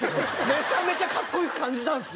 めちゃめちゃ格好良く感じたんですよ。